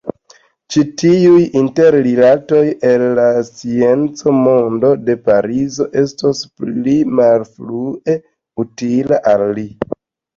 Ĉi-tiuj interrilatoj el la scienca mondo de Parizo estos pli malfrue utilaj al li.